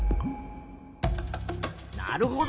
なるほど。